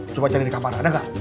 coba cari di kamar ada gak